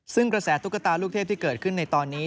ซึ่งกระแสตุ๊กตาลูกเทพที่เกิดขึ้นในตอนนี้